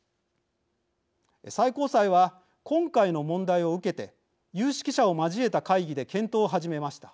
最高裁は今回の問題を受けて有識者を交えた会議で検討を始めました。